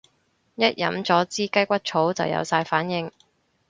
一飲咗支雞骨草就有晒反應